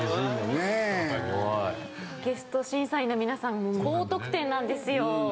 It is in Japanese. ゲスト審査員の皆さんも高得点なんですよ。